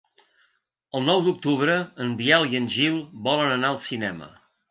El nou d'octubre en Biel i en Gil volen anar al cinema.